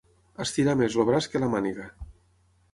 Estirar més el braç que la màniga.